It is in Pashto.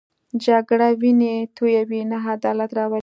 جګړه وینې تویوي، نه عدالت راولي